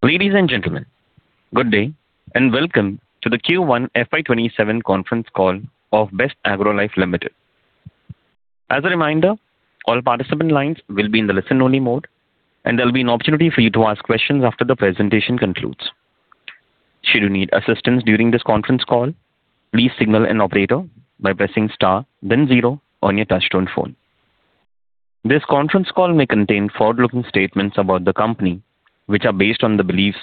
Ladies and gentlemen, good day and welcome to the Q1 FY 2027 conference call of Best Agrolife Limited. As a reminder, all participant lines will be in the listen-only mode, and there will be an opportunity for you to ask questions after the presentation concludes. Should you need assistance during this conference call, please signal an operator by pressing star then zero on your touch-tone phone. This conference call may contain forward-looking statements about the company, which are based on the beliefs,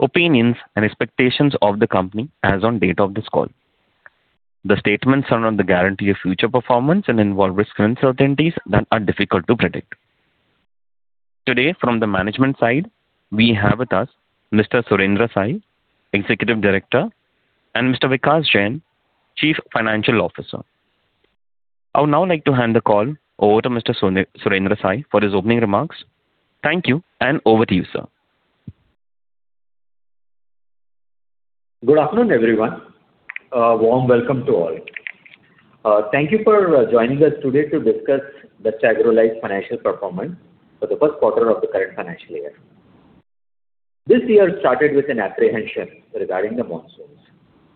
opinions, and expectations of the company as on date of this call. The statements are not the guarantee of future performance and involve risks and uncertainties that are difficult to predict. Today, from the management side, we have with us Mr. Surendra Sai, Executive Director, and Mr. Vikas Jain, Chief Financial Officer. I would now like to hand the call over to Mr. Surendra Sai for his opening remarks. Thank you, over to you, sir. Good afternoon, everyone. A warm welcome to all. Thank you for joining us today to discuss Best Agrolife's financial performance for the first quarter of the current financial year. This year started with an apprehension regarding the monsoons,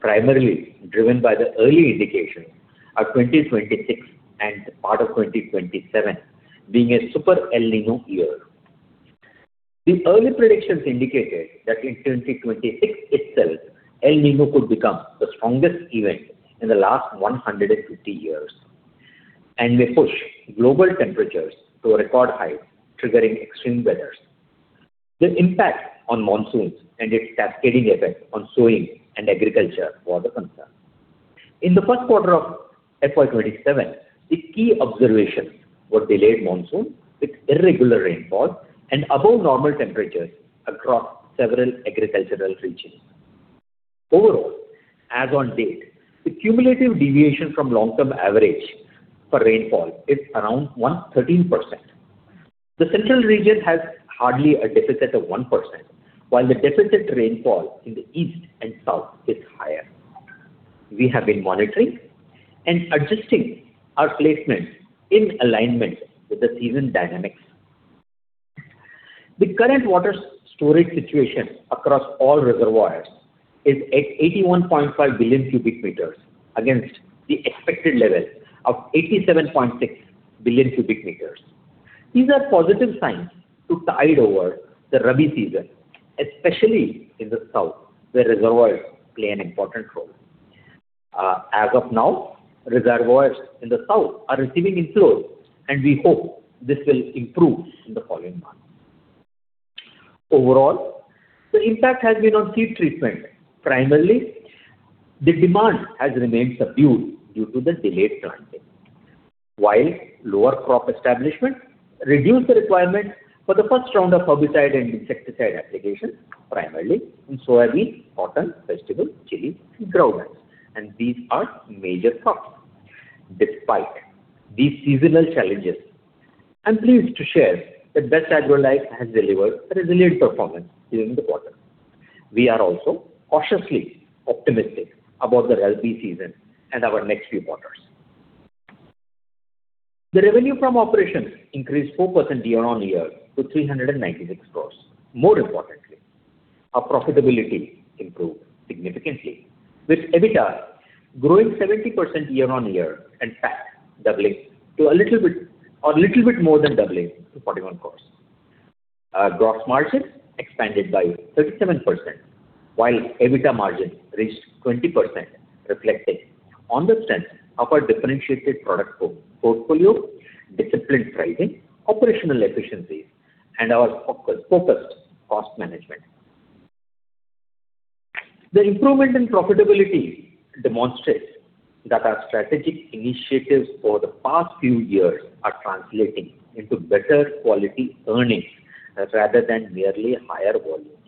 primarily driven by the early indication of 2026 and part of 2027 being a super El Niño year. The early predictions indicated that in 2026 itself, El Niño could become the strongest event in the last 150 years and may push global temperatures to a record high, triggering extreme weathers. The impact on monsoons and its cascading effect on sowing and agriculture was a concern. In the first quarter of FY 2027, the key observations were delayed monsoon with irregular rainfall and above normal temperatures across several agricultural regions. Overall, as on date, the cumulative deviation from long-term average for rainfall is around 113%. The central region has hardly a deficit of 1%, while the deficit rainfall in the east and south is higher. We have been monitoring and adjusting our placements in alignment with the season dynamics. The current water storage situation across all reservoirs is at 81.5 billion cubic meters against the expected level of 87.6 billion cubic meters. These are positive signs to tide over the Rabi season, especially in the south, where reservoirs play an important role. As of now, reservoirs in the south are receiving inflow, we hope this will improve in the following months. Overall, the impact has been on seed treatment. Primarily, the demand has remained subdued due to the delayed planting, while lower crop establishment reduced the requirement for the first round of herbicide and insecticide application, primarily in soybean, cotton, vegetable, chili, and groundnuts, these are major crops. Despite these seasonal challenges, I am pleased to share that Best Agrolife has delivered a resilient performance during the quarter. We are also cautiously optimistic about the Rabi season and our next few quarters. The revenue from operations increased 4% year-on-year to 396 crore. More importantly, our profitability improved significantly with EBITDA growing 70% year-on-year, in fact, more than doubling to 41 crore. Our gross margin expanded by 37%, while EBITDA margin reached 20%, reflecting on the strength of our differentiated product portfolio, disciplined pricing, operational efficiencies, and our focused cost management. The improvement in profitability demonstrates that our strategic initiatives for the past few years are translating into better quality earnings rather than merely higher volumes.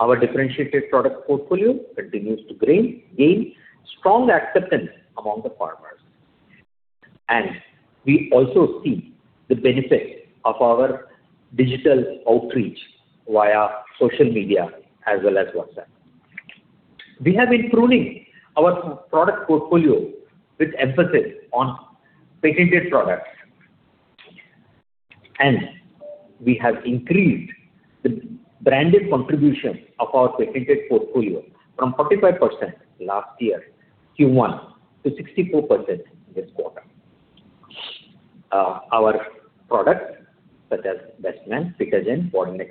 Our differentiated product portfolio continues to gain strong acceptance among the farmers, and we also see the benefit of our digital outreach via social media as well as WhatsApp. We have been pruning our product portfolio with emphasis on patented products. We have increased the branded contribution of our patented portfolio from 45% last year Q1 to 64% this quarter. Our products, such as Bestman, CITIGEN, Protex,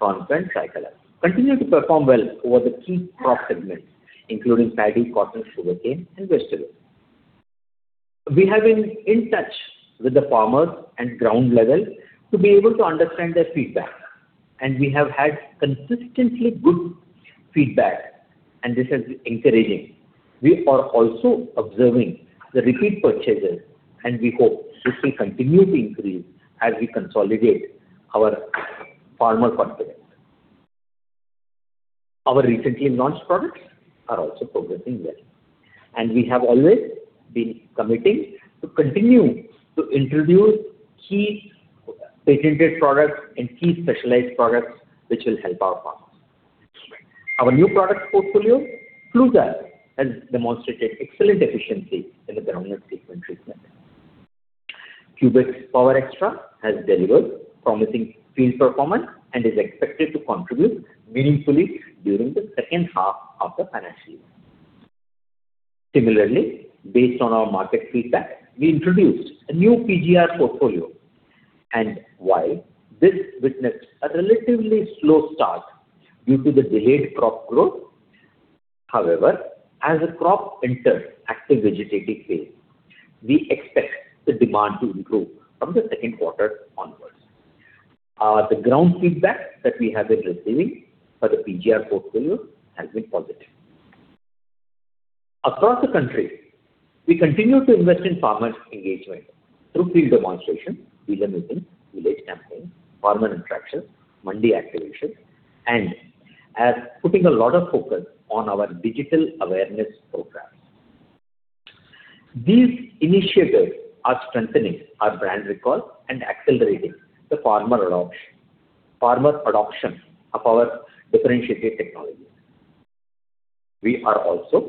RONFEN, CycleN, continue to perform well over the key crop segments, including paddy, cotton, sugarcane, and vegetable. We have been in touch with the farmers at ground level to be able to understand their feedback. We have had consistently good feedback, and this has been encouraging. We are also observing the repeat purchases, and we hope this will continue to increase as we consolidate our farmer confidence. Our recently launched products are also progressing well. We have always been committing to continue to introduce key patented products and key specialized products which will help our farmers. Our new product portfolio, Fluzam, has demonstrated excellent efficiency in the groundnut segment treatment. Cubex Power Extra has delivered promising field performance and is expected to contribute meaningfully during the second half of the financial year. Similarly, based on our market feedback, we introduced a new PGR portfolio. While this witnessed a relatively slow start due to the delayed crop growth, as the crop enters active vegetative phase, we expect the demand to improve from the second quarter onwards. The ground feedback that we have been receiving for the PGR portfolio has been positive. Across the country, we continue to invest in farmer engagement through field demonstration, dealer meetings, village campaigns, farmer interactions, mandi activations. We are putting a lot of focus on our digital awareness programs. These initiatives are strengthening our brand recall and accelerating the farmer adoption of our differentiated technologies. We also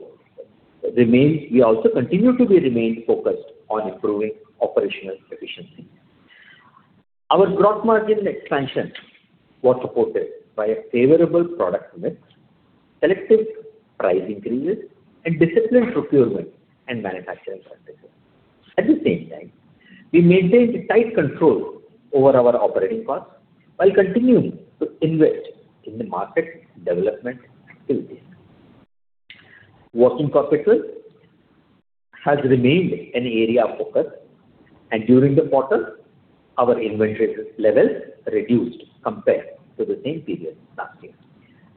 continue to remain focused on improving operational efficiency. Our gross margin expansion was supported by a favorable product mix, selective price increases, disciplined procurement and manufacturing practices. At the same time, we maintained tight control over our operating costs while continuing to invest in the market development activities. Working capital has remained an area of focus. During the quarter, our inventory levels reduced compared to the same period last year,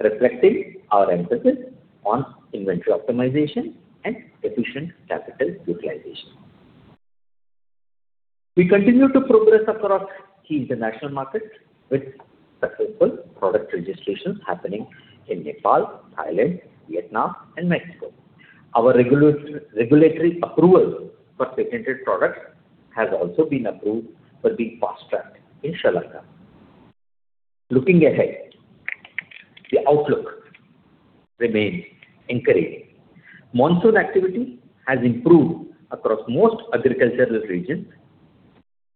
reflecting our emphasis on inventory optimization and efficient capital utilization. We continue to progress across key international markets with successful product registrations happening in Nepal, Thailand, Vietnam, and Mexico. Our regulatory approval for patented products has also been approved for being fast-tracked in Sri Lanka. Looking ahead, the outlook remains encouraging. Monsoon activity has improved across most agricultural regions.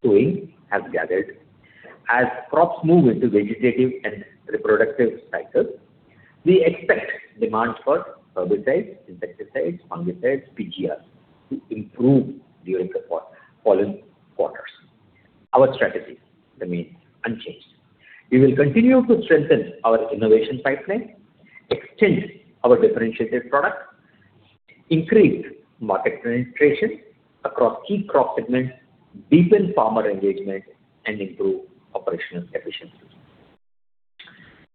Sowing has gathered. As crops move into vegetative and reproductive cycles, we expect demand for herbicides, insecticides, fungicides, PGRs to improve during the following quarters. Our strategy remains unchanged. We will continue to strengthen our innovation pipeline, extend our differentiated products, increase market penetration across key crop segments, deepen farmer engagement, and improve operational efficiency.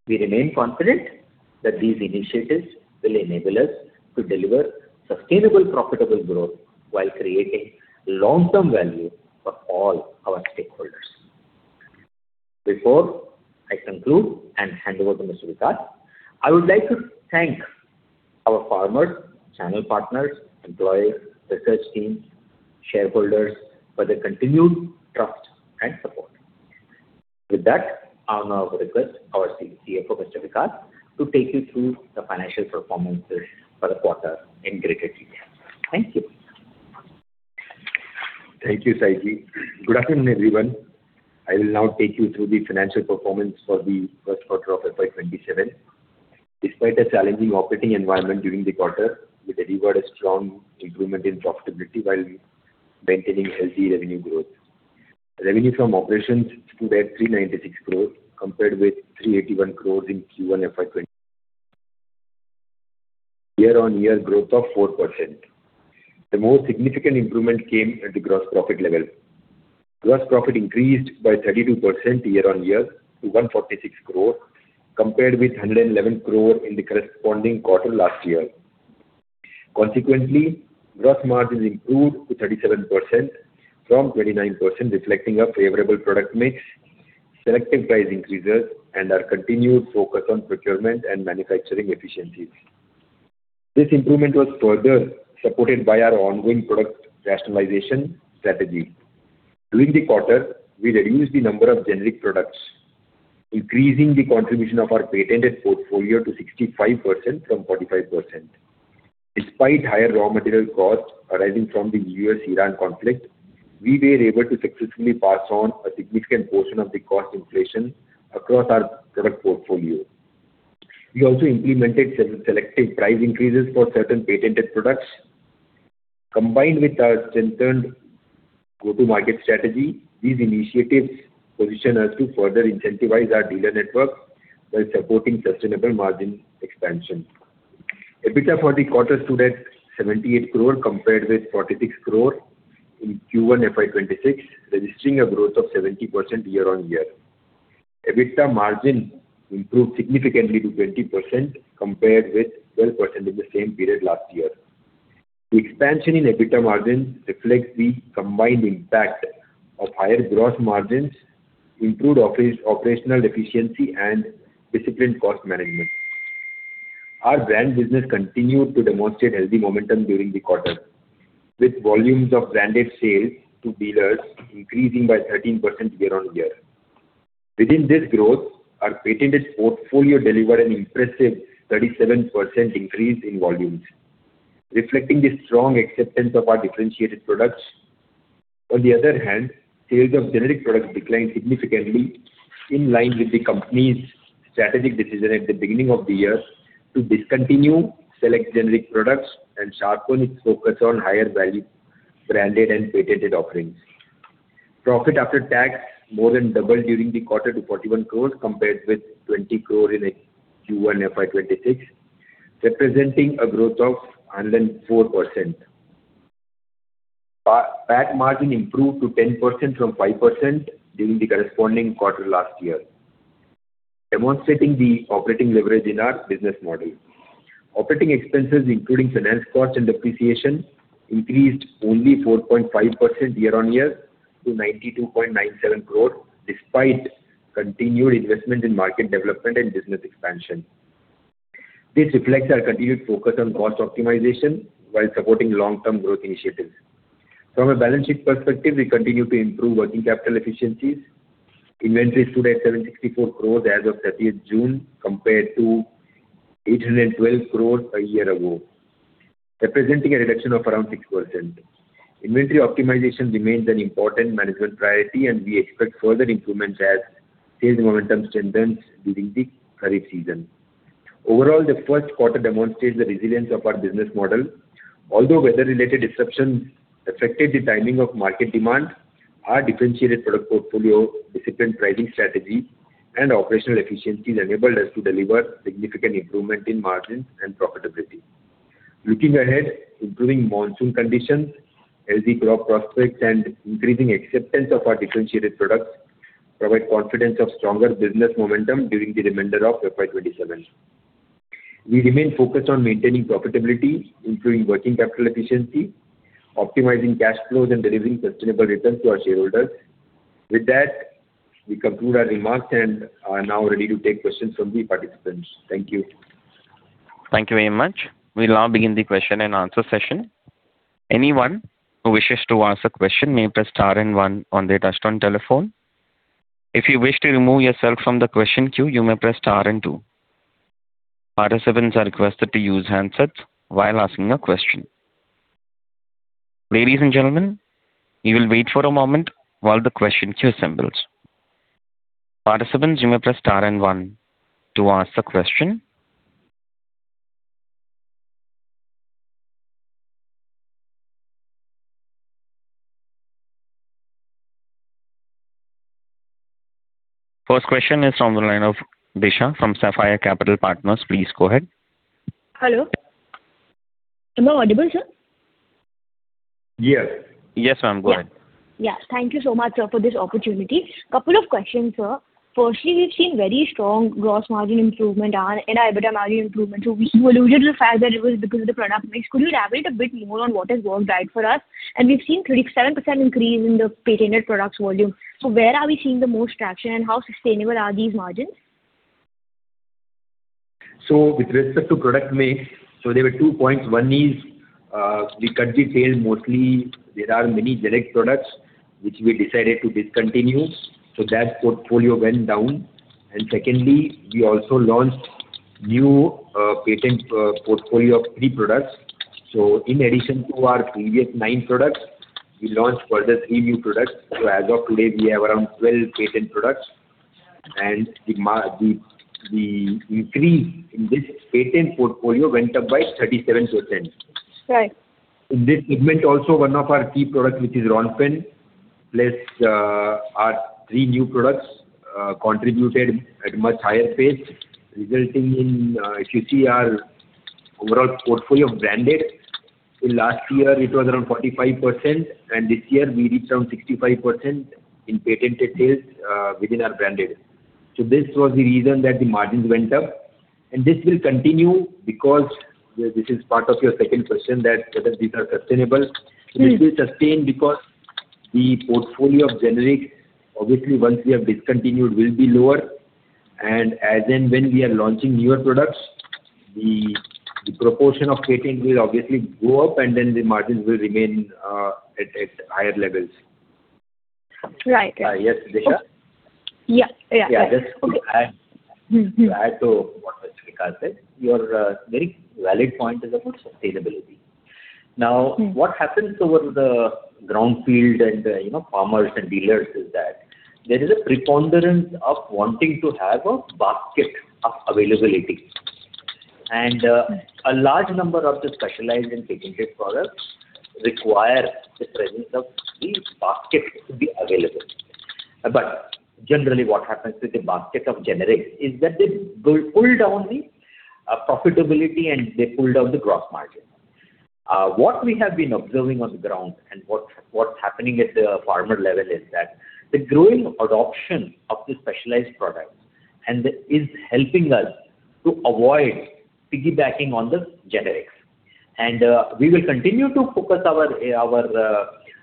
We remain confident that these initiatives will enable us to deliver sustainable, profitable growth while creating long-term value for all our stakeholders. Before I conclude and hand over to Mr. Vikas, I would like to thank our farmers, channel partners, employees, research teams, shareholders for their continued trust and support. With that, I'll now request our CFO, Mr. Vikas, to take you through the financial performance for the quarter in greater detail. Thank you. Thank you, Sai. Good afternoon, everyone. I will now take you through the financial performance for the first quarter of FY 2027. Despite a challenging operating environment during the quarter, we delivered a strong improvement in profitability while maintaining healthy revenue growth. Revenue from operations stood at 396 crores compared with 381 crores in Q1 FY 2020, year-on-year growth of 4%. The most significant improvement came at the gross profit level. Gross profit increased by 32% year-on-year to 146 crores compared with 111 crores in the corresponding quarter last year. Consequently, gross margins improved to 37% from 29%, reflecting a favorable product mix, selective price increases, and our continued focus on procurement and manufacturing efficiencies. This improvement was further supported by our ongoing product rationalization strategy. During the quarter, we reduced the number of generic products, increasing the contribution of our patented portfolio to 65% from 45%. Despite higher raw material costs arising from the U.S.-Iran conflict, we were able to successfully pass on a significant portion of the cost inflation across our product portfolio. We also implemented selective price increases for certain patented products. Combined with our strengthened go-to-market strategy, these initiatives position us to further incentivize our dealer network while supporting sustainable margin expansion. EBITDA for the quarter stood at 78 crores compared with 46 crores in Q1 FY 2026, registering a growth of 70% year-on-year. EBITDA margin improved significantly to 20% compared with 12% in the same period last year. The expansion in EBITDA margin reflects the combined impact of higher gross margins, improved operational efficiency, and disciplined cost management. Our brand business continued to demonstrate healthy momentum during the quarter, with volumes of branded sales to dealers increasing by 13% year-on-year. Within this growth, our patented portfolio delivered an impressive 37% increase in volumes, reflecting the strong acceptance of our differentiated products. On the other hand, sales of generic products declined significantly in line with the company's strategic decision at the beginning of the year to discontinue select generic products and sharpen its focus on higher value branded and patented offerings. Profit after tax more than doubled during the quarter to 41 crores, compared with 20 crores in Q1 FY 2026, representing a growth of 104%. PAT margin improved to 10% from 5% during the corresponding quarter last year, demonstrating the operating leverage in our business model. Operating expenses, including finance costs and depreciation, increased only 4.5% year-on-year to 92.97 crore, despite continued investment in market development and business expansion. This reflects our continued focus on cost optimization while supporting long-term growth initiatives. From a balance sheet perspective, we continue to improve working capital efficiencies. Inventories stood at 764 crore as of 30th June, compared to 812 crore a year ago, representing a reduction of around 6%. Inventory optimization remains an important management priority, and we expect further improvements as sales momentum strengthens during the current season. Overall, the first quarter demonstrates the resilience of our business model. Although weather-related disruptions affected the timing of market demand, our differentiated product portfolio, disciplined pricing strategy, and operational efficiencies enabled us to deliver significant improvement in margins and profitability. Looking ahead, improving monsoon conditions, healthy crop prospects, and increasing acceptance of our differentiated products provide confidence of stronger business momentum during the remainder of FY 2027. We remain focused on maintaining profitability, improving working capital efficiency, optimizing cash flows, and delivering sustainable returns to our shareholders. With that, we conclude our remarks and are now ready to take questions from the participants. Thank you. Thank you very much. We will now begin the question-and-answer session. Anyone who wishes to ask a question may press star and one on their touchtone telephone. If you wish to remove yourself from the question queue, you may press star and two. Participants are requested to use handsets while asking a question. Ladies and gentlemen, we will wait for a moment while the question queue assembles. Participants, you may press star and one to ask the question. First question is on the line of Disha from Sapphire Capital Partners. Please go ahead. Hello. Am I audible, sir? Yes. Yes, ma'am. Go ahead. Thank you so much, sir, for this opportunity. Couple of questions, sir. Firstly, we've seen very strong gross margin improvement and EBITDA margin improvement. We alluded to the fact that it was because of the product mix. Could you elaborate a bit more on what has worked right for us? We've seen 37% increase in the patented products volume. Where are we seeing the most traction, and how sustainable are these margins? With respect to product mix, there were two points. One is, we cut the sales. Mostly, there are many generic products which we decided to discontinue. That portfolio went down. Secondly, we also launched new patent portfolio of three products. In addition to our previous nine products, we launched further three new products. As of today, we have around 12 patent products, and the increase in this patent portfolio went up by 37%. Right. In this segment, also one of our key products, which is Ronfen, plus our three new products, contributed at much higher pace, resulting in. If you see our overall portfolio of branded, till last year it was around 45%, and this year we reached around 65% in patented sales within our branded. This was the reason that the margins went up. This will continue because this is part of your second question, that whether these are sustainable. Sure. This will sustain because the portfolio of generics, obviously once we have discontinued, will be lower. As and when we are launching newer products, the proportion of patents will obviously go up, then the margins will remain at higher levels. Right. Yes, Disha. Yeah. Yeah, just to add- Your very valid point is about sustainability. What happens over the ground field, and farmers and dealers is that there is a preponderance of wanting to have a basket of availability. A large number of the specialized and patented products require the presence of these baskets to be available. Generally, what happens with the basket of generics is that they pull down the profitability and they pull down the gross margin. What we have been observing on the ground and what's happening at the farmer level is that the growing adoption of the specialized products and is helping us to avoid piggybacking on the generics. We will continue to focus our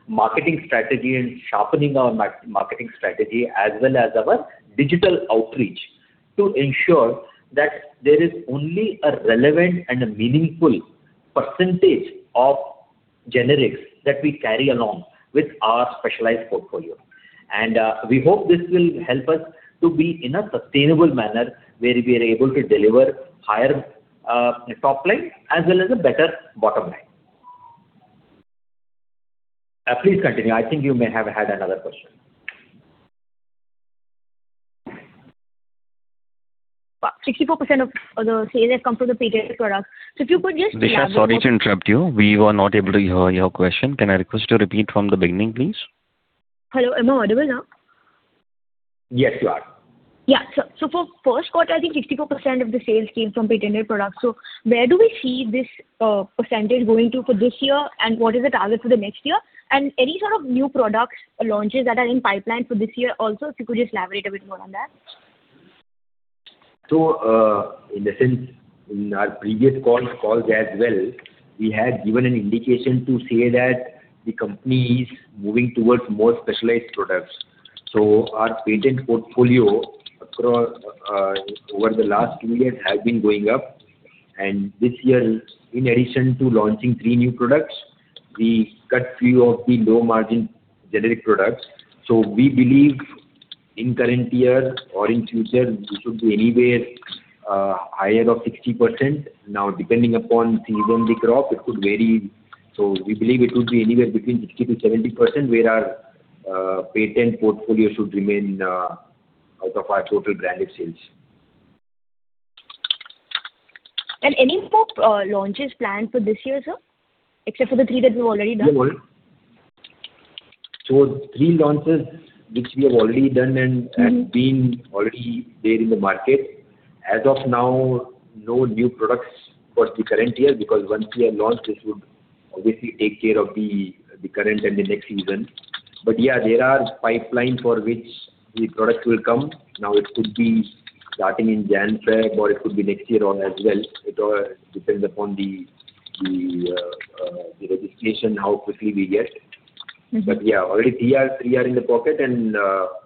marketing strategy and sharpening our marketing strategy as well as our digital outreach to ensure that there is only a relevant and a meaningful percentage of generics that we carry along with our specialized portfolio. We hope this will help us to be in a sustainable manner where we are able to deliver higher top line as well as a better bottom line. Please continue. I think you may have had another question. 64% of the sales have come from the patented products. Disha, sorry to interrupt you. We were not able to hear your question. Can I request you to repeat from the beginning, please? Hello, am I audible now? Yes, you are. Yeah. For first quarter, I think 64% of the sales came from patented products. Where do we see this percentage going to for this year, and what is the target for the next year? Any sort of new product launches that are in pipeline for this year also, if you could just elaborate a bit more on that. In a sense, in our previous calls as well, we had given an indication to say that the company is moving towards more specialized products. Our patent portfolio over the last two years has been going up. This year, in addition to launching three new products, we cut few of the low-margin generic products. We believe in current year or in future, it should be anywhere higher of 60%. Now, depending upon season, the crop, it could vary. We believe it would be anywhere between 60%-70%, where our patent portfolio should remain out of our total branded sales. Any more launches planned for this year, sir, except for the three that we’ve already done? Three launches which we have already done and have been already there in the market. As of now, no new products for the current year, because once we have launched, it would obviously take care of the current and the next season. Yeah, there are pipeline for which the product will come. Now it could be starting in Jan, Feb, or it could be next year as well. It all depends upon the registration, how quickly we get. Yeah, already three are in the pocket, and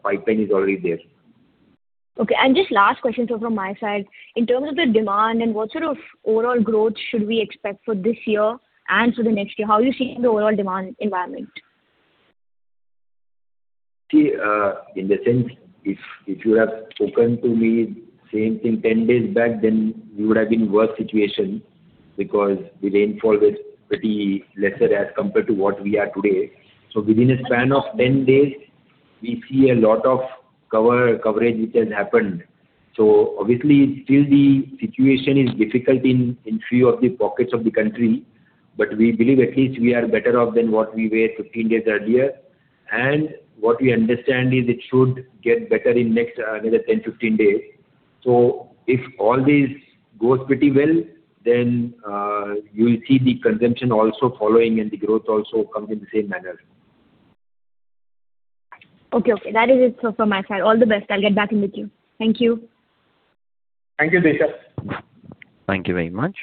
pipeline is already there. Okay. Just last question, sir, from my side. In terms of the demand and what sort of overall growth should we expect for this year and for the next year, how are you seeing the overall demand environment? See, in the sense, if you would have spoken to me same thing 10 days back, then we would have been in worse situation because the rainfall was pretty lesser as compared to what we are today. Within a span of 10 days, we see a lot of coverage which has happened. Obviously, still the situation is difficult in few of the pockets of the country. But we believe at least we are better off than what we were 15 days earlier. What we understand is it should get better in next another 10-15 days. If all this goes pretty well, then you will see the consumption also following, and the growth also comes in the same manner. Okay. That is it from my side. All the best. I will get back in with you. Thank you. Thank you, Disha. Thank you very much.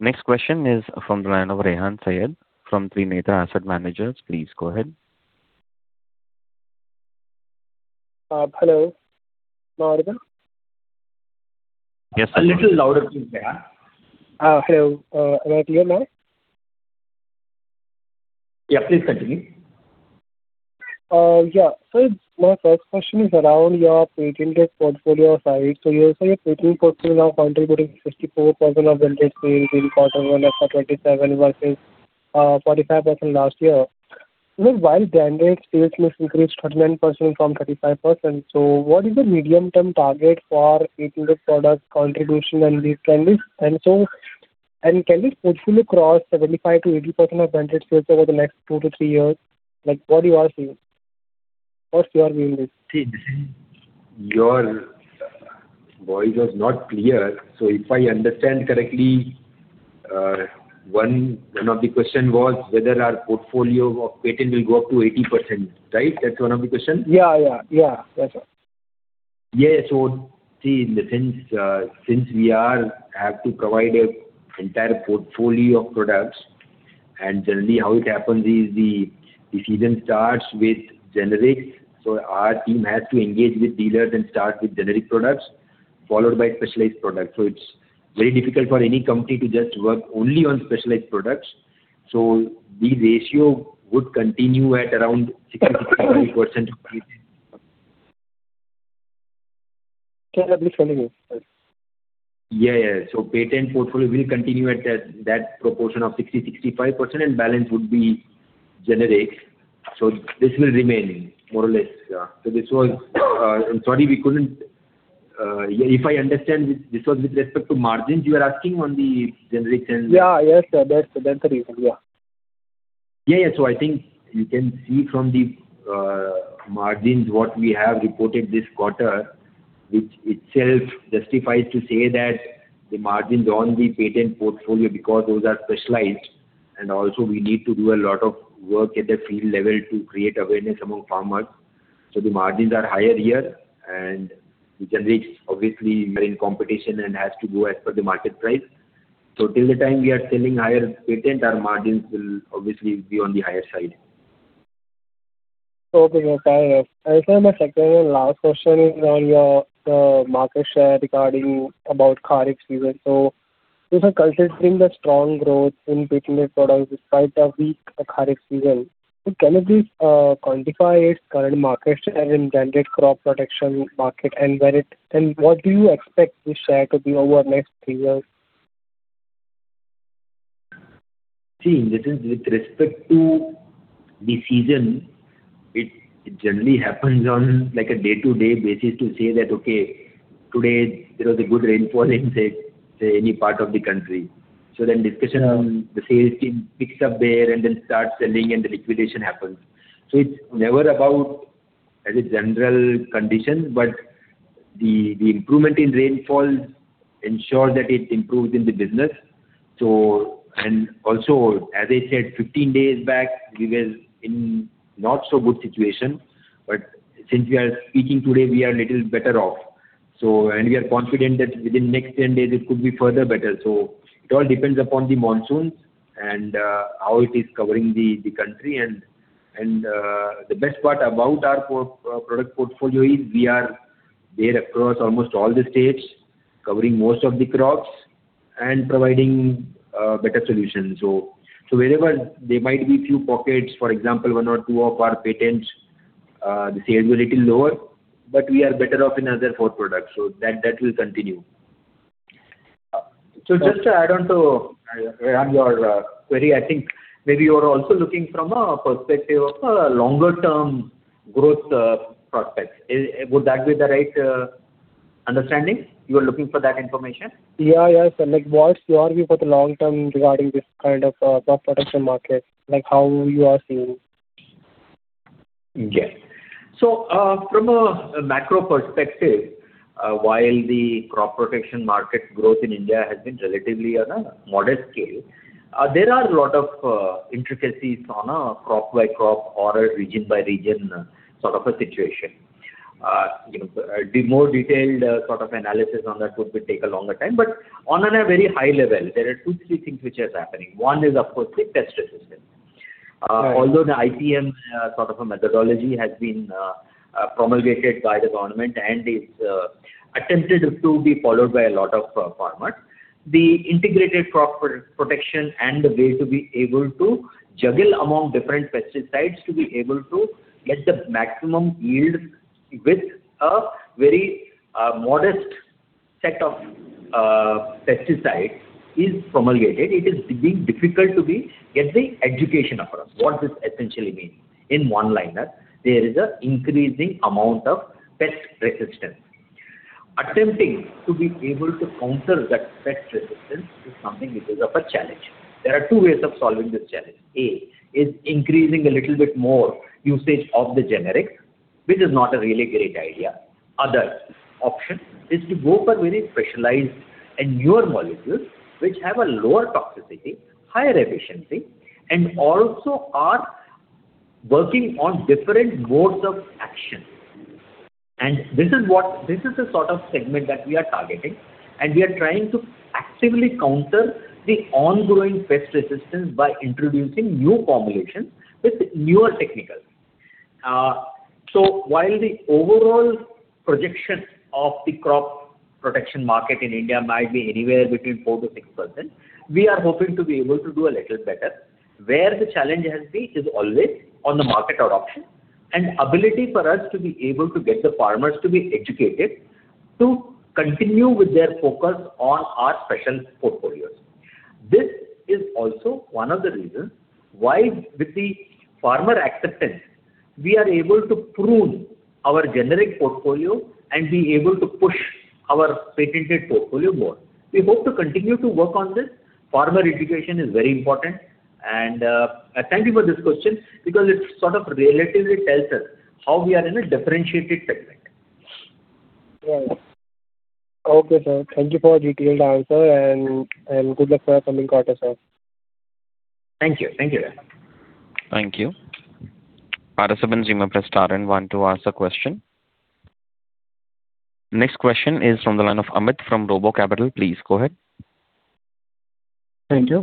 Next question is from the line of Rehan Syed from Trinetra Asset Managers. Please go ahead. Hello. Am I audible? Yes. A little louder, please, Rehan. Hello. Am I clear now? Yeah. Please continue. Yeah. Sir, my first question is around your patented portfolio side. Your patented portfolio now contributing 54% of the sales in quarter one of 2027 versus 45% last year. Sir, while branded sales has increased 39% from 35%, so what is the medium-term target for patented product contribution and these trends? Can it hopefully cross 75%-80% of branded sales over the next 2-3 years? What do you all feel? What's your view this? Your voice was not clear. If I understand correctly, one of the questions was whether our portfolio of patent will go up to 80%. Right? That's one of the questions? Yeah. That's all. Yeah. See, in the sense, since we have to provide entire portfolio of products, and generally how it happens is the season starts with generics, followed by specialized products. It's very difficult for any company to just work only on specialized products. The ratio would continue at around 60%-65%. Can you please tell again, sir? Yeah. Patent portfolio will continue at that proportion of 60%-65%, and balance would be generic. This will remain more or less. I'm sorry, we couldn't. If I understand, this was with respect to margins you are asking on the generic and. Yeah. That's the reason. Yeah. Yeah. I think you can see from the margins what we have reported this quarter, which itself justifies to say that the margins on the patent portfolio, because those are specialized, and also, we need to do a lot of work at the field level to create awareness among farmers. The margins are higher here, and generics obviously remain competition and has to go as per the market price. Till the time we are selling higher patent, our margins will obviously be on the higher side. Okay. Sir, my second and last question is on your market share regarding about Kharif season. Considering the strong growth in business products despite the weak Kharif season, can you please quantify its current market share in generic crop protection market and what do you expect this share to be over next three years? See, with respect to the season, it generally happens on a day-to-day basis to say that, okay, today there was a good rainfall in, say, any part of the country. Then discussion on the sales team picks up there and then starts selling and the liquidation happens. It's never about the general condition, but the improvement in rainfall ensures that it improves in the business. Also, as I said, 15 days back, we were in not so good situation, but since we are speaking today, we are little better off. We are confident that within next 10 days it could be further better. It all depends upon the monsoons and how it is covering the country. The best part about our product portfolio is we are there across almost all the states, covering most of the crops and providing better solutions. Wherever there might be few pockets, for example, one or two of our patents, the sales were little lower, but we are better off in other four products, so that will continue. Just to add on to your query, I think maybe you are also looking from a perspective of a longer-term growth prospect. Would that be the right understanding? You are looking for that information. Yes. Sir, what's your view for the long term regarding this kind of crop protection market? How you are seeing? From a macro perspective, while the crop protection market growth in India has been relatively on a modest scale, there are a lot of intricacies on a crop-by-crop or a region-by-region sort of a situation. The more detailed sort of analysis on that would take a longer time, but on a very high level, there are two, three things which are happening. One is, of course, the pest resistance. Although the IPM sort of a methodology has been promulgated by the government and is attempted to be followed by a lot of farmers. The integrated crop protection and the way to be able to juggle among different pesticides to be able to get the maximum yield with a very modest set of pesticides is promulgated. It is being difficult to get the education across. What this essentially means, in one-liner, there is an increasing amount of pest resistance. Attempting to be able to counter that pest resistance is something which is of a challenge. There are two ways of solving this challenge. A, is increasing a little bit more usage of the generics, which is not a really great idea. Other option is to go for very specialized and newer molecules which have a lower toxicity, higher efficiency, and also are working on different modes of action. This is the sort of segment that we are targeting, and we are trying to actively counter the ongoing pest resistance by introducing new formulations with newer technicals. While the overall projection of the crop protection market in India might be anywhere between 4%-6%, we are hoping to be able to do a little better. Where the challenge has been is always on the market adoption and ability for us to be able to get the farmers to be educated to continue with their focus on our special portfolios. This is also one of the reasons why with the farmer acceptance, we are able to prune our generic portfolio and be able to push our patented portfolio more. We hope to continue to work on this. Farmer education is very important. Thank you for this question because it sort of relatively tells us how we are in a differentiated segment. Right. Okay, sir. Thank you for detailed answer and good luck for your coming quarter, sir. Thank you. Thank you. Press star and one to ask a question. Next question is from the line of Amit from RoboCapital. Please go ahead. Thank you.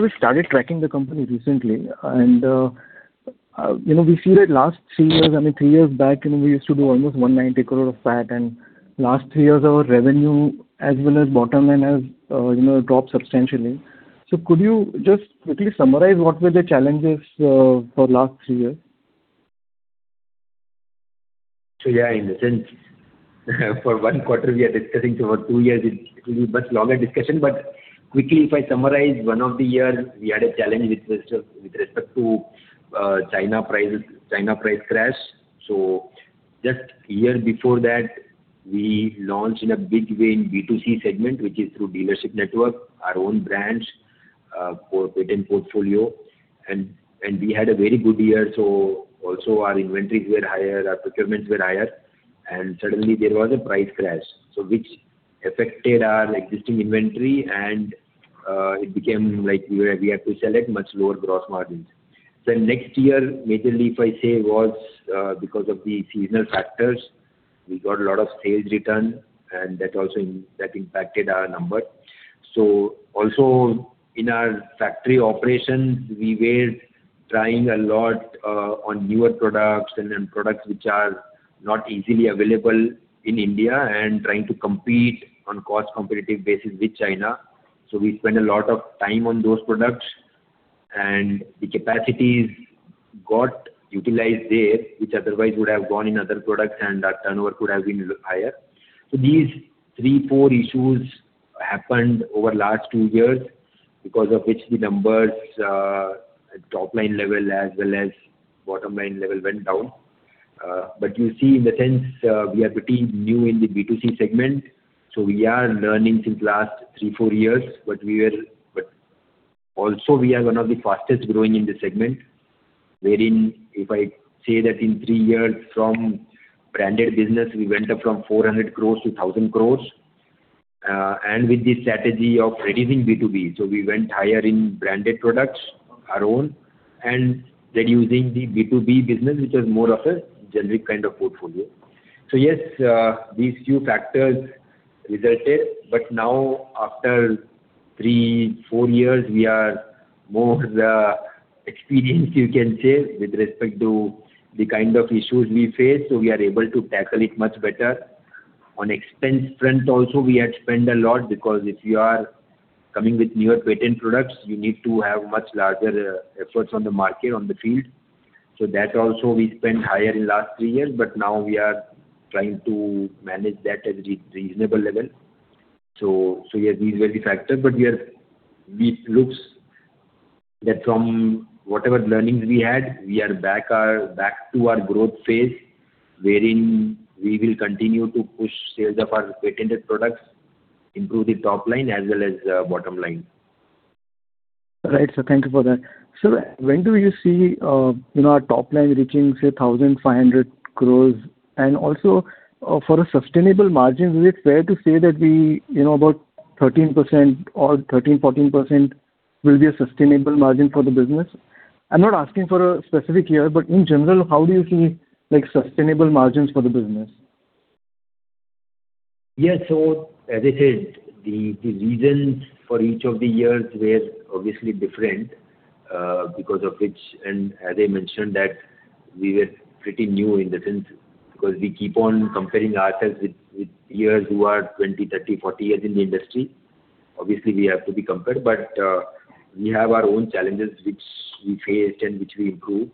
We started tracking the company recently, and we see that last three years, I mean, three years back, we used to do almost 190 crore of PAT, and last three years, our revenue as well as bottom line has dropped substantially. Could you just quickly summarize what were the challenges for last three years? Yes, in the sense for one quarter, we are discussing. For two years it will be much longer discussion. Quickly, if I summarize, one of the years we had a challenge with respect to China price crash. Just a year before that, we launched in a big way in B2C segment, which is through dealership network, our own brands for patent portfolio. We had a very good year. Also, our inventories were higher, our procurements were higher, and suddenly there was a price crash. Which affected our existing inventory, and it became like we had to sell at much lower gross margins. Next year, majorly, if I say, was because of the seasonal factors, we got a lot of sales return, and that impacted our number. Also in our factory operations, we were trying a lot on newer products and then products which are not easily available in India and trying to compete on cost competitive basis with China. We spent a lot of time on those products and the capacities got utilized there, which otherwise would have gone in other products, and our turnover could have been higher. These three, four issues happened over last two years because of which the numbers at top-line level as well as bottom-line level went down. You see in the sense we are pretty new in the B2C segment, so we are learning since last three, four years. Also, we are one of the fastest growing in the segment, wherein if I say that in three years from branded business, we went up from 400 crore to 1,000 crore. With the strategy of reducing B2B, we went higher in branded products, our own and reducing the B2B business which was more of a generic kind of portfolio. Yes, these few factors resulted, now after three, four years we are more experienced you can say with respect to the kind of issues we face, we are able to tackle it much better. On expense front also we had spent a lot because if you are coming with newer patented products you need to have much larger efforts on the market on the field. That also we spent higher in last three years now we are trying to manage that at a reasonable level. Yeah, these were the factors it looks that from whatever learnings we had; we are back to our growth phase wherein we will continue to push sales of our patented products, improve the top line as well as bottom line. Right, sir. Thank you for that. Sir, when do you see our top line reaching say 1,500 crore. Also, for a sustainable margin, is it fair to say that about 13% or 13%-14% will be a sustainable margin for the business? I'm not asking for a specific year but in general how do you see sustainable margins for the business? Yes. As I said the reasons for each of the years were obviously different, because of which. As I mentioned that we were pretty new in the sense because we keep on comparing ourselves with peers who are 20, 30, 40 years in the industry. Obviously, we have to be compared but we have our own challenges which we faced and which we improved.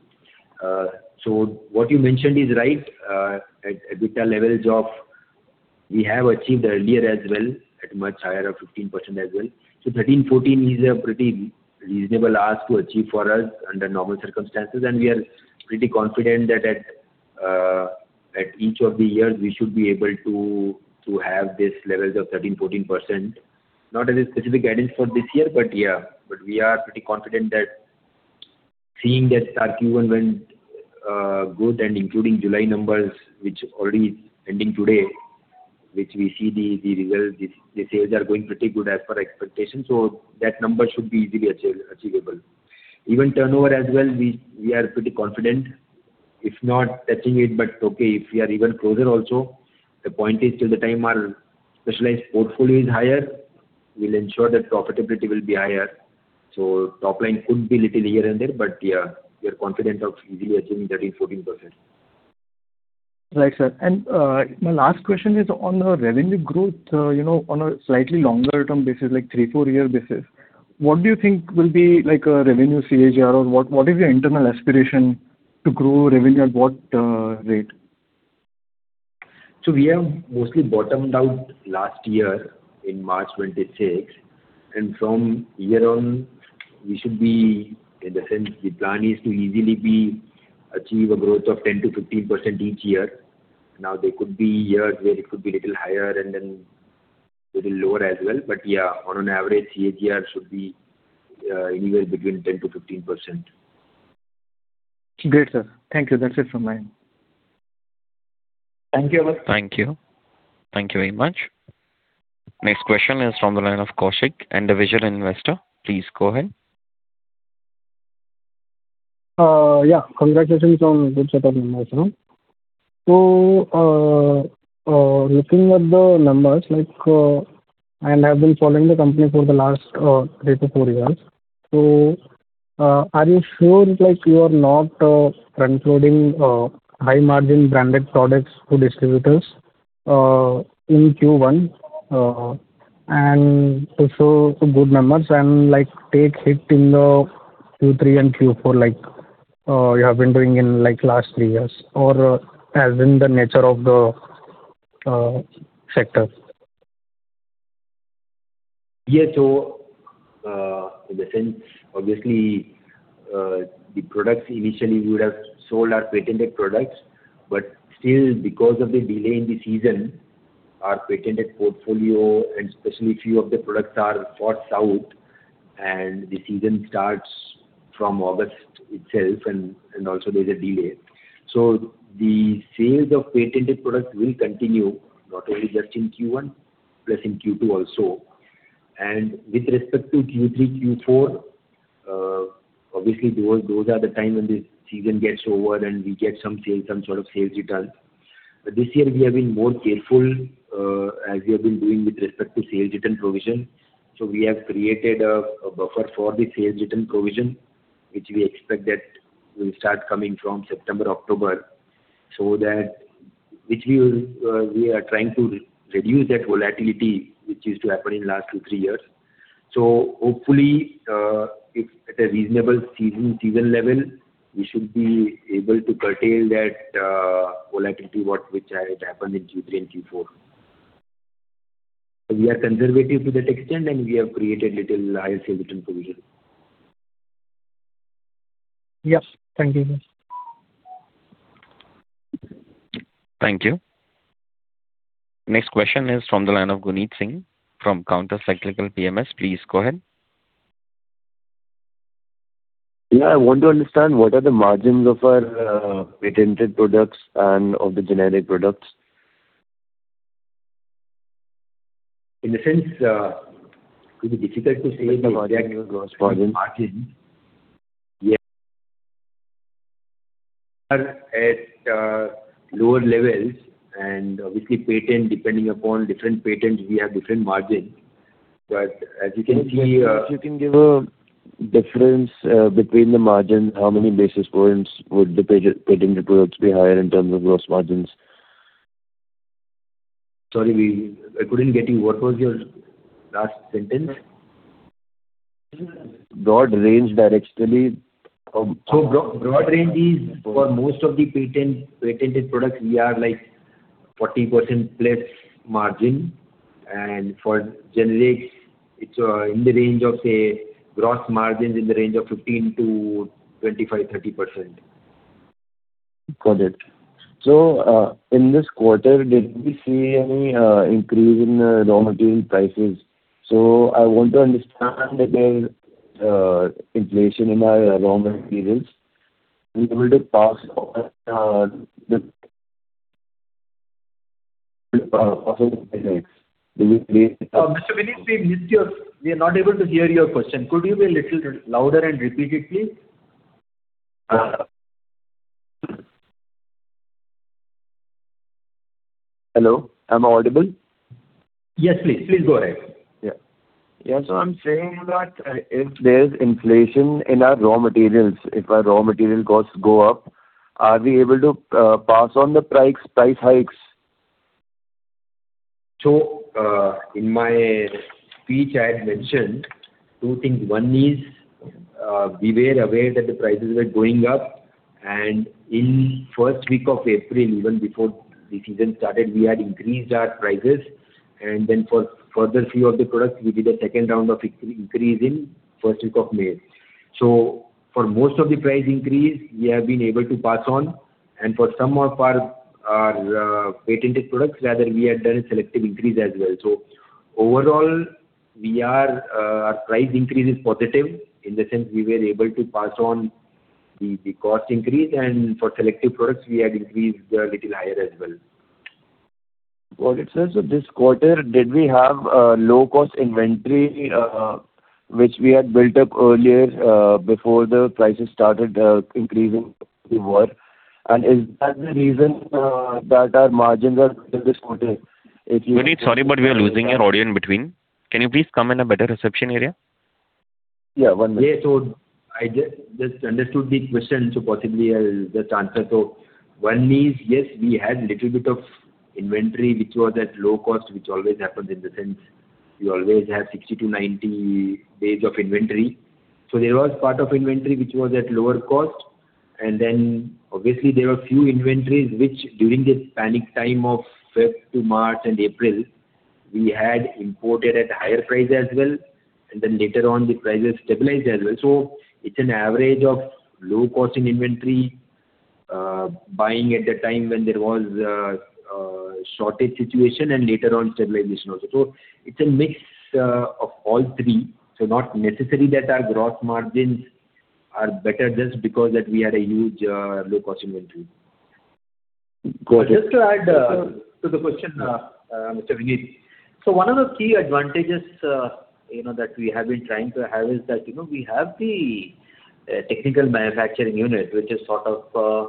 What you mentioned is right. At EBITDA levels, we have achieved earlier as well at much higher of 15% as well. 13%-14% is a pretty reasonable ask to achieve for us under normal circumstances and we are pretty confident that at each of the years we should be able to have these levels of 13%-14%. Not as a specific guidance for this year but we are pretty confident that seeing that our Q1 went good and including July numbers which already is ending today, which we see the sales are going pretty good as per expectation. That number should be easily achievable. Even turnover as well we are pretty confident if not touching it but okay if we are even closer also the point is till the time our specialized portfolio is higher, we'll ensure that profitability will be higher. Top line could be little here and there, but we are confident of easily achieving 13%-14%. Right, sir. My last question is on a revenue growth, on a slightly longer-term basis like three, four-year basis. What do you think will be a revenue CAGR or what is your internal aspiration to grow revenue at what rate? We have mostly bottomed out last year in March 26 and from here on we should be, in the sense the plan is to easily achieve a growth of 10%-15% each year. There could be years where it could be little higher and then little lower as well but on average CAGR should be anywhere between 10%-15%. Great sir. Thank you. That's it from my end. Thank you. Thank you. Thank you very much. Next question is from the line of Kaushik, Individual Investor. Please go ahead. Congratulations on good set of numbers. Looking at the numbers and I have been following the company for the last three to four years. Are you sure you are not front-loading high margin branded products to distributors in Q1 and to show good numbers and take hit in the Q3 and Q4 like you have been doing in last three years or as in the nature of the sector? In the sense obviously, the products initially we would have sold our patented products but still because of the delay in the season our patented portfolio and especially few of the products are for South and the season starts from August itself and also there is a delay. The sales of patented products will continue not only just in Q1 but in Q2 also. With respect to Q3, Q4 Obviously, those are the time when the season gets over and we get some sort of sales return. This year we have been more careful as we have been doing with respect to sales return provision. We have created a buffer for the sales return provision, which we expect that will start coming from September, October. We are trying to reduce that volatility, which used to happen in last two, three years. Hopefully, if at a reasonable season level, we should be able to curtail that volatility, which had happened in Q3 and Q4. We are conservative to that extent, and we have created little higher sales return provision. Yes. Thank you. Thank you. Next question is from the line of Gunit Singh from Countercyclical PMS. Please go ahead. Yeah. I want to understand what the margins of our patented products are and of the generic products. In a sense, it will be difficult to say the gross margin. We are at lower levels and obviously patent, depending upon different patents, we have different margin. As you can see. If you can give a difference between the margin, how many basis points would the patented products be higher in terms of gross margins? Sorry, I couldn't get you. What was your last sentence? Broad range directionally Broad range is for most of the patented products, we are 40% plus margin, and for generics, it's in the range of, say, gross margins in the range of 15%-25%, 30%. Got it. In this quarter, did we see any increase in the raw material prices? I want to understand if there's inflation in our raw materials, we'll be able to pass on the price hikes. Will you please Mr. Gunit, we are not able to hear your question. Could you be a little louder and repeat it, please? Hello, am I audible? Yes, please. Please go ahead. Yeah. I'm saying that if there's inflation in our raw materials, if our raw material costs go up, are we able to pass on the price hikes? In my speech, I had mentioned two things. One is, we were aware that the prices were going up, and in first week of April, even before the season started, we had increased our prices, and then for further few of the products, we did a second round of increase in first week of May. For most of the price increase, we have been able to pass on, and for some of our patented products rather, we had done selective increase as well. Overall, our price increase is positive in the sense we were able to pass on the cost increase, and for selective products, we had increased a little higher as well. Got it. This quarter, did we have low-cost inventory, which we had built up earlier, before the prices started increasing more? Is that the reason that our margins are better this quarter? If you- Gunit, sorry, we are losing your audio in between. Can you please come in a better reception area? Yeah, one minute. Yeah. I just understood the question, possibly I'll just answer. One is, yes, we had little bit of inventory, which was at low cost, which always happens in the sense we always have 60 to 90 days of inventory. There was part of inventory which was at lower cost. Obviously, there were few inventories which, during this panic time of Feb to March and April, we had imported at higher price as well, then later on the prices stabilized as well. It's an average of low cost in inventory, buying at the time when there was a shortage situation and later on stabilization also. It's a mix of all three. Not necessary that our gross margins are better just because that we had a huge low-cost inventory. Got it. Just to add to the question, Mr. Gunit. One of the key advantages that we have been trying to have is that we have the technical manufacturing unit, which is sort of a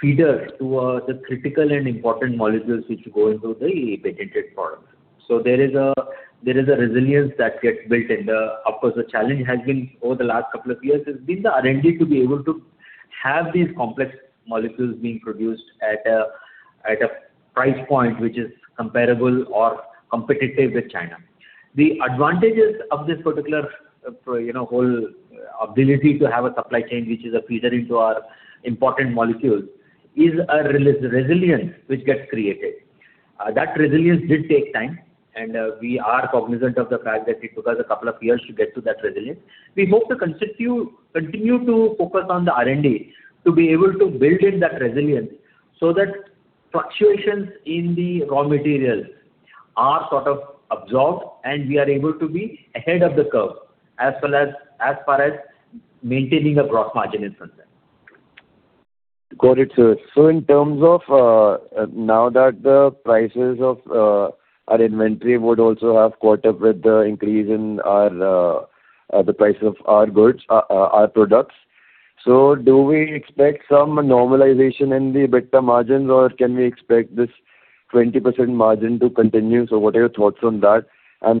feeder to the critical and important molecules which go into the patented product. There is a resilience that gets built in. Of course, the challenge has been over the last couple of years has been the R&D to be able to have these complex molecules being produced at a price point which is comparable or competitive with China. The advantages of this particular whole ability to have a supply chain which is a feeder into our important molecules is a resilience which gets created. That resilience did take time, and we are cognizant of the fact that it took us a couple of years to get to that resilience. We hope to continue to focus on the R&D to be able to build in that resilience so that fluctuations in the raw materials are sort of absorbed and we are able to be ahead of the curve as far as maintaining a gross margin is concerned. Got it, sir. In terms of now that the prices of our inventory would also have caught up with the increase in the price of our products, do we expect some normalization in the EBITDA margins, or can we expect this 20% margin to continue? What are your thoughts on that?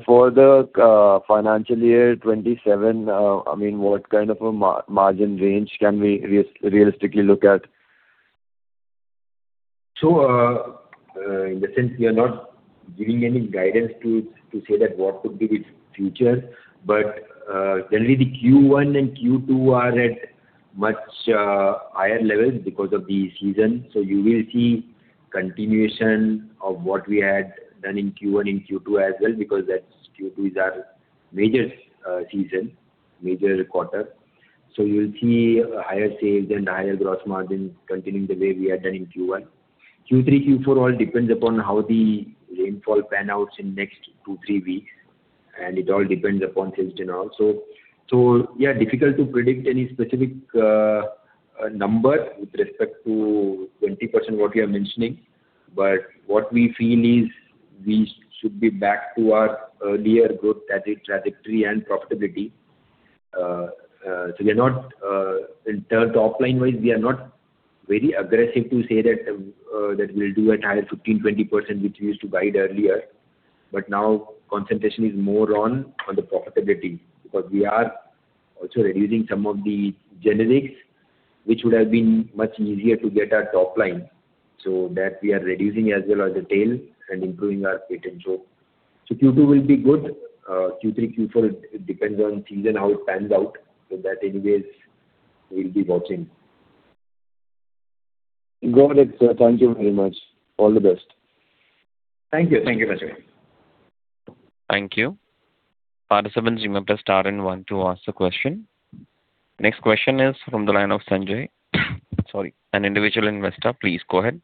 For the financial year 2027, what kind of a margin range can we realistically look at? In the sense we are not giving any guidance to say that what could be the future. Generally, the Q1 and Q2 are at much higher levels because of the season. You will see continuation of what we had done in Q1, in Q2 as well, because Q2 is our major season, major quarter. You will see higher sales and higher gross margin continuing the way we are done in Q1. Q3, Q4 all depends upon how the rainfall pan out in next two, three weeks, and it all depends upon sales journal. Yeah, difficult to predict any specific number with respect to 20%, what you are mentioning. What we feel is we should be back to our earlier growth trajectory and profitability. Top line-wise, we are not very aggressive to say that we'll do a higher 15, 20%, which we used to guide earlier. Now concentration is more on the profitability, because we are also reducing some of the generics, which would have been much easier to get our top line. That we are reducing as well as the tail and improving our potential. Q2 will be good. Q3, Q4, it depends on season, how it pans out. That anyways, we'll be watching. Got it, sir. Thank you very much. All the best. Thank you. Thank you. Participants you may press star and one to ask the question. Next question is from the line of Sanjay. Sorry, an individual investor. Please go ahead.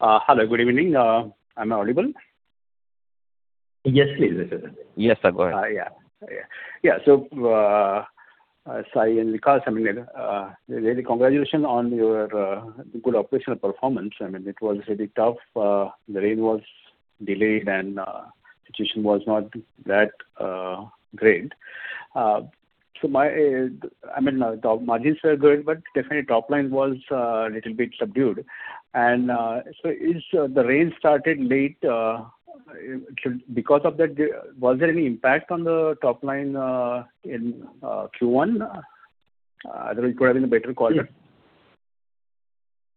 Hello, good evening. Am I audible? Yes, please. Yes, sir. Go ahead. Sai and Vikas, really congratulations on your good operational performance. It was really tough. The rain was delayed, and situation was not that great. Margins were good, but definitely top line was a little bit subdued. The rain started late. Because of that, was there any impact on the top line in Q1? Otherwise, it could have been a better quarter.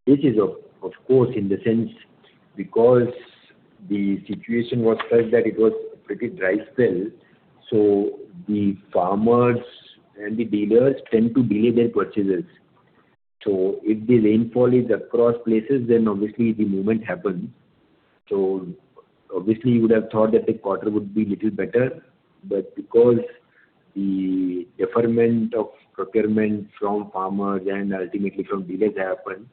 Yes. This is, of course, in the sense because the situation was such that it was a pretty dry spell, the farmers and the dealers tend to delay their purchases. If the rainfall is across places, then obviously the movement happens. Obviously, you would have thought that the quarter would be little better, but because the deferment of procurement from farmers and ultimately from dealers happened,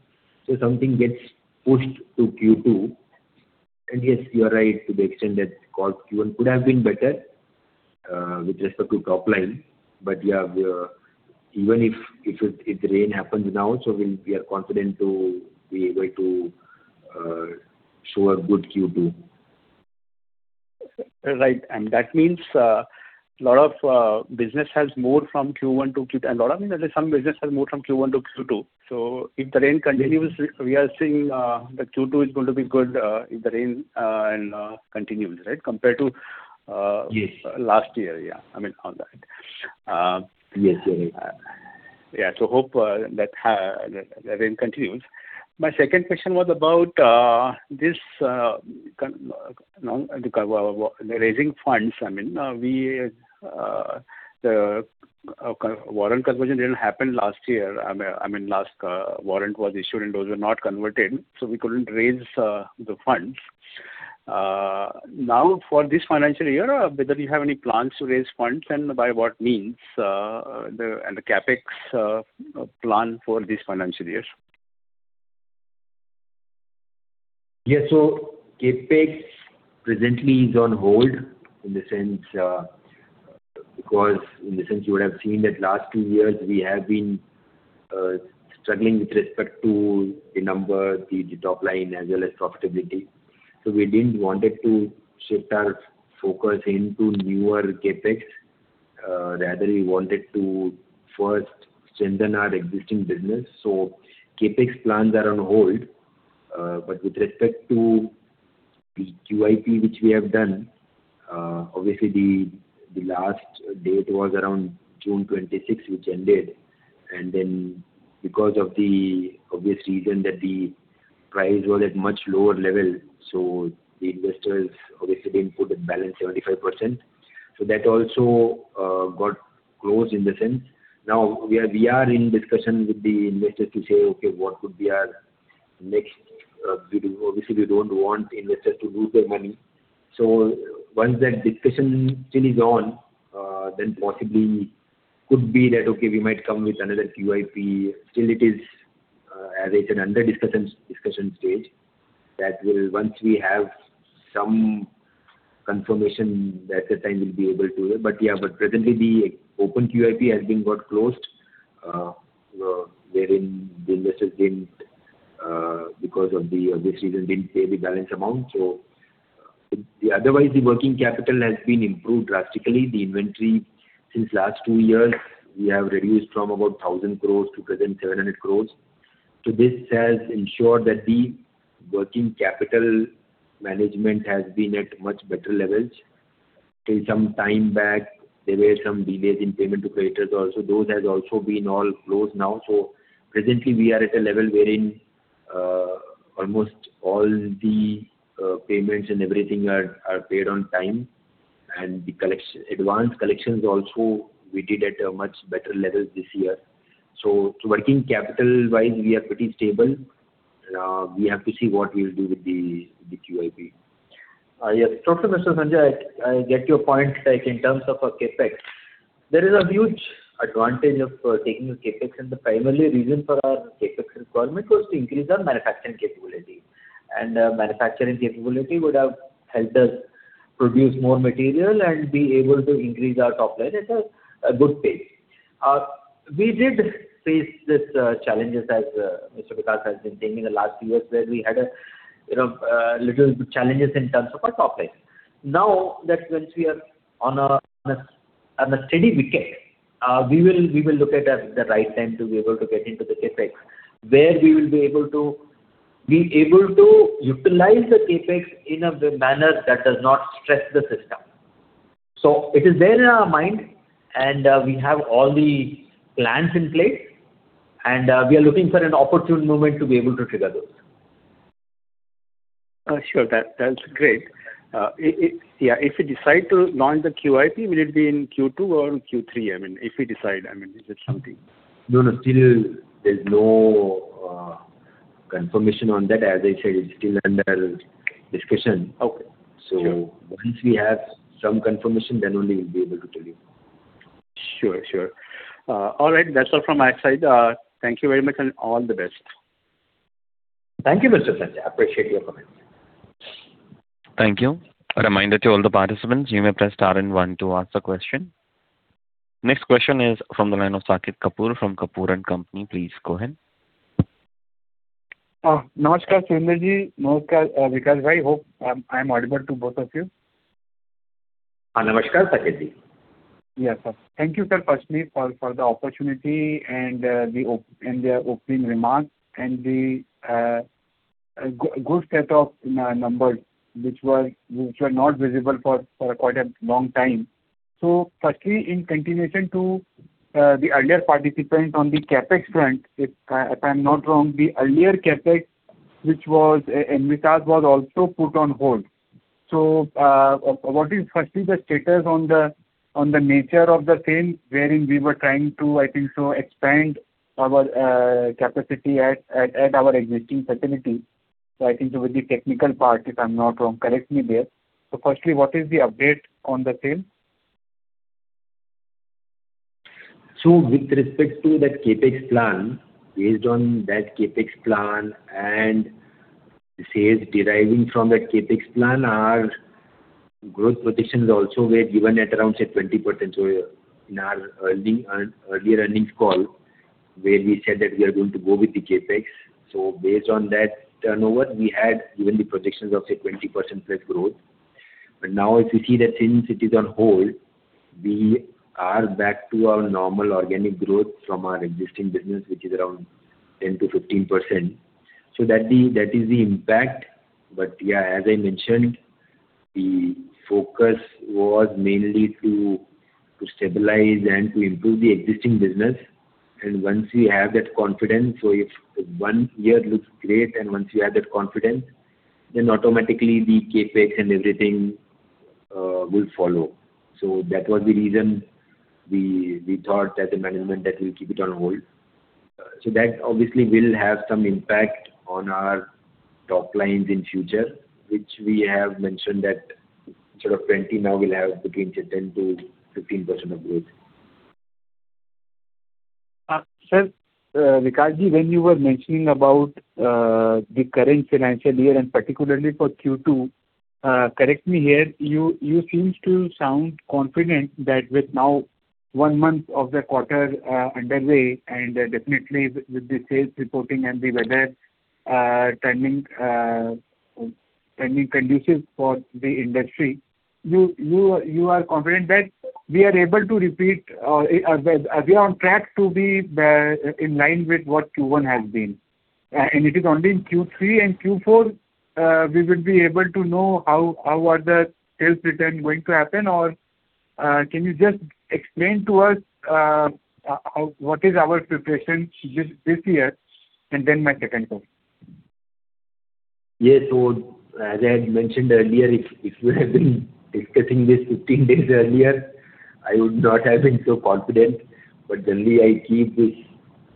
something gets pushed to Q2. Yes, you are right to the extent that Q1 could have been better, with respect to top line. Even if rain happens now, we are confident to be able to show a good Q2. That means some business has moved from Q1 to Q2. If the rain continues, we are seeing that Q2 is going to be good if the rain continues, right? Yes last year. I mean, on that. Yes. Yeah. Hope that rain continues. My second question was about this raising funds. The warrant conversion didn't happen last year. Last warrant was issued, and those were not converted, so we couldn't raise the funds. Now, for this financial year, whether you have any plans to raise funds, and by what means? The CapEx plan for this financial year. Yeah. CapEx presently is on hold, because in the sense you would have seen that last two years we have been struggling with respect to the number, the top line as well as profitability. We didn't want it to shift our focus into newer CapEx. Rather, we wanted to first strengthen our existing business. CapEx plans are on hold. With respect to the QIP which we have done, obviously the last date was around June 26th, which ended. Because of the obvious reason that the price was at much lower level, so the investors obviously didn't put the balance 75%. That also got closed in the sense. Now we are in discussion with the investors to say, "Okay, what could be our next" Obviously, we don't want investors to lose their money. Once that discussion still is on, then possibly could be that, okay, we might come with another QIP. Still, it is As it's under discussion stage, once we have some confirmation, that time we'll be able to. Presently, the open QIP has got closed, wherein the investors, because of the obvious reasons, didn't pay the balance amount. Otherwise, the working capital has been improved drastically. The inventory since last two years, we have reduced from about 1,000 crore to present 700 crore. This has ensured that the working capital management has been at much better levels. Till some time back, there were some delays in payment to creditors also. Those has also been all closed now. Presently, we are at a level wherein almost all the payments and everything are paid on time. The advanced collections also we did at a much better level this year. Working capital-wise, we are pretty stable. We have to see what we'll do with the QIP. Mr. Sanjay. I get your point in terms of our CapEx. There is a huge advantage of taking a CapEx, the primary reason for our CapEx requirement was to increase our manufacturing capability. Manufacturing capability would have helped us produce more material and be able to increase our top line at a good pace. We did face these challenges, as Mr. Vikas has been saying, in the last few years where we had a little challenge in terms of our top line. Now that once we are on a steady wicket, we will look at the right time to be able to get into the CapEx, where we will be able to utilize the CapEx in a manner that does not stress the system. It is there in our mind, we have all the plans in place, we are looking for an opportune moment to be able to trigger those. Sure. That's great. If you decide to launch the QIP, will it be in Q2 or in Q3? If you decide, is it something- No, still there's no confirmation on that. As I said, it's still under discussion. Okay. Sure. Once we have some confirmation, then only we'll be able to tell you. Sure. All right. That's all from my side. Thank you very much, and all the best. Thank you, Mr. Sanjay. Appreciate your comments. Thank you. A reminder to all the participants, you may press star and one to ask a question. Next question is from the line of Saket Kapoor from Kapoor and Company. Please go ahead. Namaskar, Surendra Sai. Namaskar, Vikas bhai. Hope I'm audible to both of you. Namaskar, Saket Ji. Yes, sir. Thank you, sir, firstly, for the opportunity and the opening remarks and the good set of numbers, which were not visible for quite a long time. Firstly, in continuation to the earlier participant on the CapEx front, if I'm not wrong, the earlier CapEx, which was in Vizag, was also put on hold. What is firstly the status on the nature of the sale wherein we were trying to, I think so, expand our capacity at our existing facility. I think with the technical part, if I'm not wrong, correct me there. Firstly, what is the update on the sale? With respect to that CapEx plan, based on that CapEx plan and the sales deriving from that CapEx plan, our growth projections also were given at around, say, 20%. In our earlier earnings call where we said that we are going to go with the CapEx. Based on that turnover, we had given the projections of, say, 20% plus growth. Now as you see that since it is on hold, we are back to our normal organic growth from our existing business, which is around 10%-15%. That is the impact. As I mentioned, the focus was mainly to stabilize and to improve the existing business. Once we have that confidence, if one year looks great and once you have that confidence, automatically the CapEx and everything will follow. That was the reason we thought as a management that we'll keep it on hold. That obviously will have some impact on our top lines in future, which we have mentioned that instead of 20%, now we'll have between, say, 10%-15% of growth. Sir, Vikas, when you were mentioning about the current financial year and particularly for Q2, correct me here, you seemed to sound confident that with now one month of the quarter underway and definitely with the sales reporting and the weather turning conducive for the industry, you are confident that we are on track to be in line with what Q1 has been. It is only in Q3 and Q4 we will be able to know how are the sales return going to happen or can you just explain to us what is our preparation this year? Then my second question. Yes. As I had mentioned earlier, if we had been discussing this 15 days earlier, I would not have been so confident. Generally, I keep this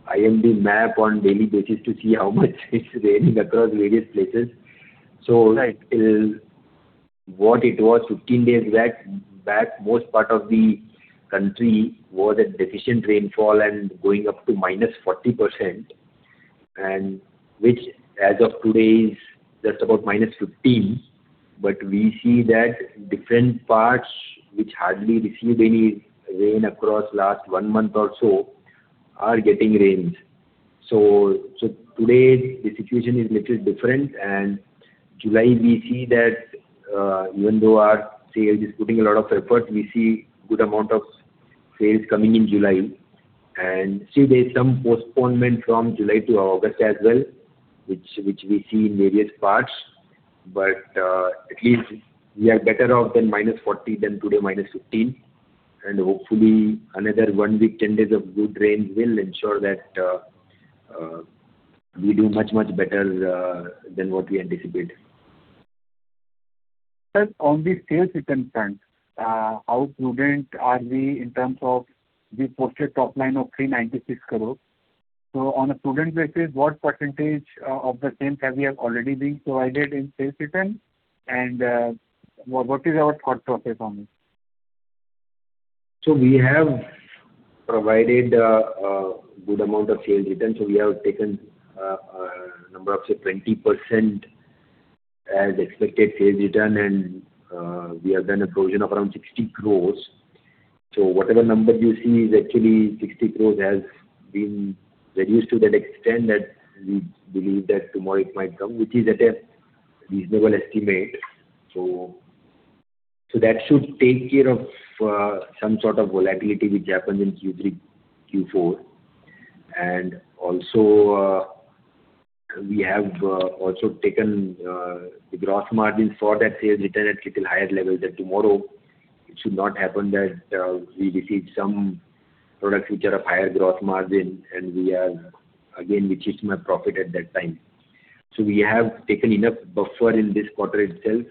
IMD map on daily basis to see how much it's raining across various places. Right. What it was 15 days back, most part of the country was at deficient rainfall and going up to -40%, which as of today is just about -15%. We see that different parts which hardly received any rain across last one month or so are getting rains. Today, the situation is little different, July we see that even though our sales is putting a lot of effort, we see good amount of sales coming in July. There's some postponement from July to August as well, which we see in various parts. At least we are better off than -40% than today -15%, hopefully another one week, 10 days of good rain will ensure that we do much, much better than what we anticipate. Sir, on the sales return front, how prudent are we in terms of the posted top line of 396 crore? On a prudent basis, what percentage of the same have we have already been provided in sales return and what is our cost profit on it? We have provided a good amount of sales return. We have taken a number of, say, 20% as expected sales return, and we have done a provision of around 60 crores. Whatever number you see is actually 60 crores has been reduced to that extent that we believe that tomorrow it might come, which is at a reasonable estimate. That should take care of some sort of volatility which happens in Q3, Q4. Also, we have also taken the gross margin for that sales return at little higher level, that tomorrow it should not happen that we receive some products which are of higher gross margin, and we are again reducing our profit at that time. We have taken enough buffer in this quarter itself,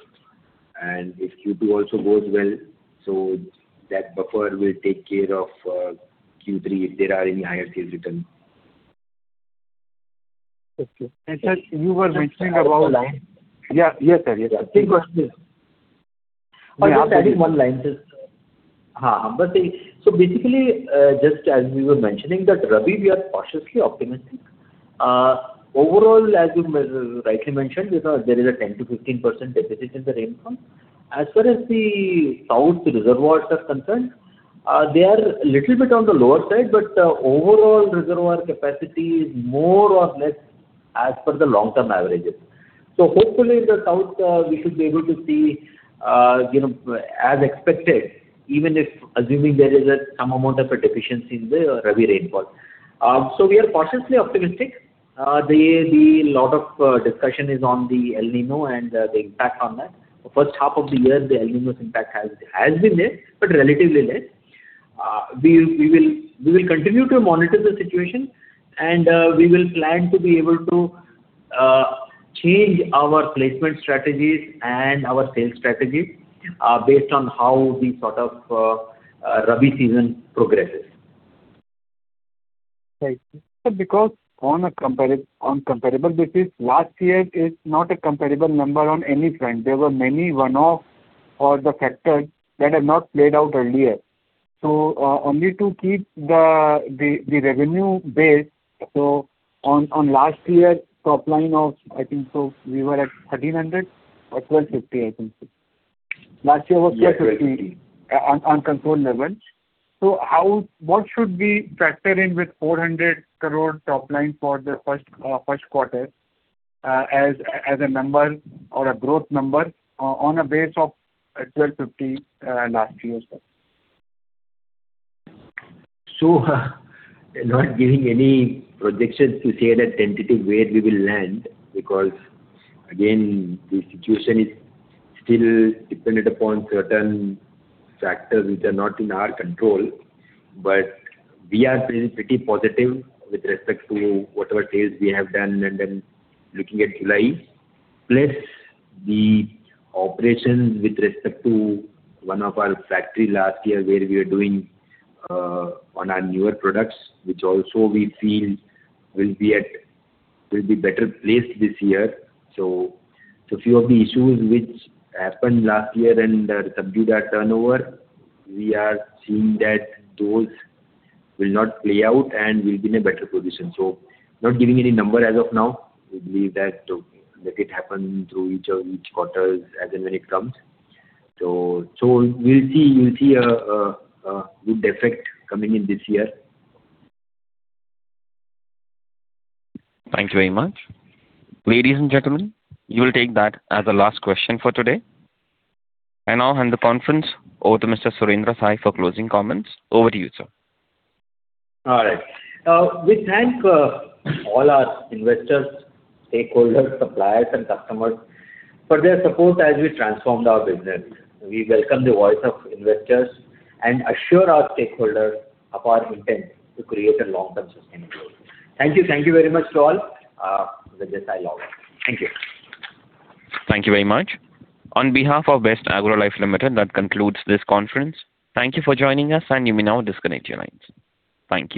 and if Q2 also goes well, that buffer will take care of Q3 if there are any higher sales return. Okay. Sir, you were mentioning about. Yeah. Yes, sir. Yes, sir. Maybe adding one line, just See, basically, just as we were mentioning that Rabi, we are cautiously optimistic. Overall, as you rightly mentioned, there is a 10%-15% deficit in the rainfall. As far as the south reservoirs are concerned, they are little bit on the lower side, but overall reservoir capacity is more or less as per the long-term averages. Hopefully in the south, we should be able to see as expected, even if assuming there is some amount of a deficiency in the Rabi rainfall. We are cautiously optimistic. The lot of discussion is on the El Niño and the impact on that. The first half of the year, the El Niño's impact has been less, but relatively less. We will continue to monitor the situation, and we will plan to be able to change our placement strategies and our sales strategies based on how the Rabi season progresses. Thank you. Sir, on comparable basis, last year is not a comparable number on any front. There were many one-off or the factors that have not played out earlier. Only to keep the revenue base, on last year top line of, I think so we were at 1,300 or 1,250, I think. Last year was 1,250. Yes, INR 1,250. On controlled levels. What should we factor in with 400 crore top line for the first quarter as a number or a growth number on a base of 1,250 last year's? Not giving any projections to say that tentative where we will land, again, the situation is still dependent upon certain factors which are not in our control. We are pretty positive with respect to whatever sales we have done and looking at July, plus the operations with respect to one of our factory last year where we are doing on our newer products, which also we feel will be better placed this year. Few of the issues which happened last year and subdued our turnover, we are seeing that those will not play out and we'll be in a better position. Not giving any number as of now. We believe that let it happen through each quarter as and when it comes. We'll see a good effect coming in this year. Thank you very much. Ladies and gentlemen, we will take that as the last question for today, and I'll hand the conference over to Mr. Surendra Sai for closing comments. Over to you, sir. All right. We thank all our investors, stakeholders, suppliers, and customers for their support as we transformed our business. We welcome the voice of investors and assure our stakeholders of our intent to create a long-term sustainable growth. Thank you. Thank you very much to all. With this, I log off. Thank you. Thank you very much. On behalf of Best Agrolife Limited, that concludes this conference. Thank you for joining us, and you may now disconnect your lines. Thank you.